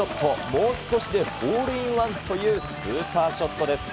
もう少しでホールインワンというスーパーショットです。